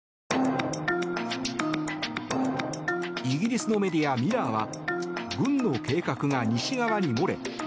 イギリスのメディア、ミラーは軍の計画が西側に漏れ